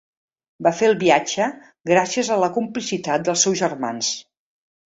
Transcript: Va fer el viatge gràcies a la complicitat dels seus germans.